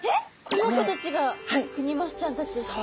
この子たちがクニマスちゃんたちですか？